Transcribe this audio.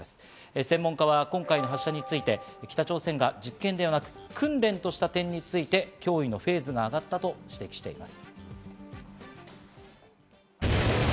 専門家は今回の発射について北朝鮮が実験ではなく訓練とした点について、脅威のフェーズが上がったと指摘しています。